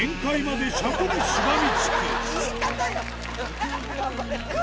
言い方よ。